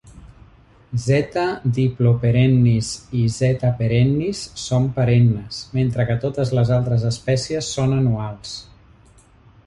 "Z. diploperennis" i "Z. perennis" són perennes, mentre que totes les altres espècies són anuals.